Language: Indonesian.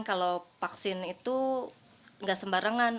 kalau vaksin itu nggak sembarangan